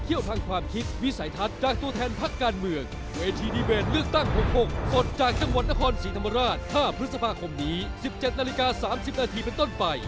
เวทีดีเบตเลือกตั้ง๖๖ปลดจากจังหวัดนครศรีธรรมราช๕พฤษภาคมนี้๑๗นาฬิกา๓๐นาทีเป็นต้นไป